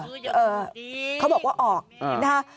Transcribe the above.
เอ่อเขาบอกว่าออกนะฮะ